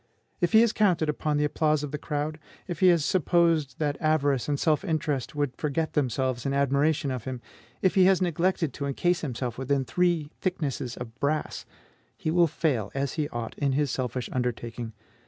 If he has counted upon the applause of the crowd; if he has supposed that avarice and self interest would forget themselves in admiration of him; if he has neglected to encase himself within three thicknesses of brass, he will fail, as he ought, in his selfish undertaking.